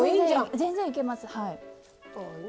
全然いけます。